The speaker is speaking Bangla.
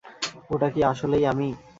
ওটা কি আসলেই আমি?